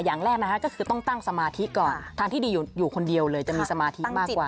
อย่างแรกนะคะก็คือต้องตั้งสมาธิก่อนทางที่ดีอยู่คนเดียวเลยจะมีสมาธิมากกว่า